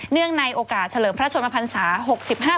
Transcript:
เนื่องในโอกาสเฉลิมพระราชสมพันธ์ศาสตร์